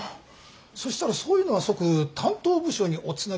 そしたらそういうのは即「担当部署におつなぎします」って